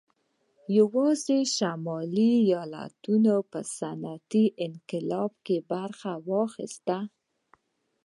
یوازې شمالي ایالتونو په صنعتي انقلاب کې برخه واخیسته